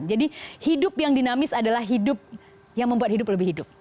jadi hidup yang dinamis adalah hidup yang membuat hidup lebih hidup